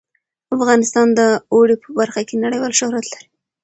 افغانستان د اوړي په برخه کې نړیوال شهرت لري.